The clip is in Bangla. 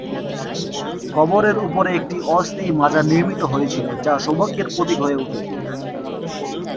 কবরের উপরে একটি অস্থায়ী মাজার নির্মিত হয়েছিল যা সৌভাগ্যের প্রতীক হয়ে উঠে।